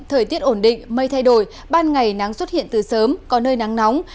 thời tiết ổn định mây thay đổi ban ngày nắng xuất hiện từ sớm có nơi nắng nóng